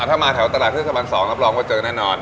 ถ้ามาแถวตลาดเทศบัน๒รับรองว่าเจอแน่นอน